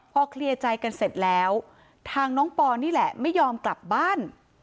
พอเคลียร์ใจกันเสร็จแล้วทางน้องปอนนี่แหละไม่ยอมกลับบ้าน